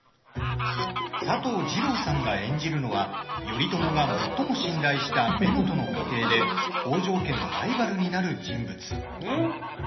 佐藤二朗さんが演じるのは頼朝が最も信頼した乳母の家系で北条家のライバルになる人物。